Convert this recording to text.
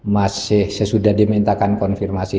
masih sesudah dimintakan konfirmasi